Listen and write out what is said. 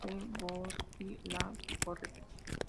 Le Bourgneuf-la-Forêt